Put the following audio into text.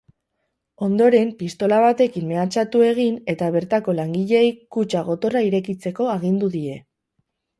Ondoren pistola batekin mehatxu egin eta bertako langileei kutxa gotorra irekitzeko agindu die.